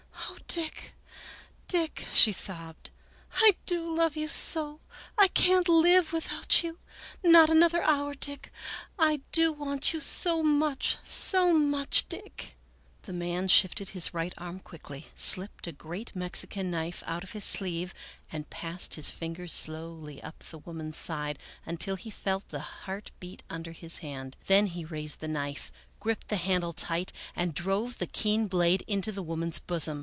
" Oh ! Dick, Dick," she sobbed, " I do love you so ! I can't live without you ! Not another hour, Dick ! I do want you so much, so much, Dick !" The man shifted his right arm quickly, slipped a great Mexican knife out of his sleeve, and passed his fingers slowly up the woman's side until he felt the heart beat under his hand, then he raised the knife, gripped the handle tight, and drove the keen blade into the woman's bosom.